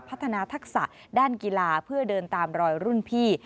ทักษะด้านกีฬาเพื่อเดินตามรอยรุ่นพี่